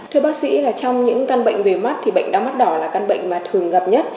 thưa bác sĩ trong những căn bệnh về mắt bệnh đá mắt đỏ là căn bệnh thường gặp nhất